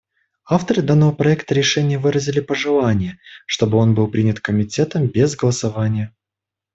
Авторы данного проекта решения выразили пожелание, чтобы он был принят Комитетом без голосования.